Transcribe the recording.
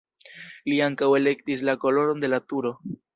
Li ankaŭ elektis la koloron de la turo.